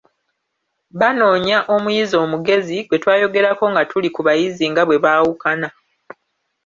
Banoonya omuyizi omugezi, gwe twayogerako nga tuli ku bayizi nga bwe baawukana.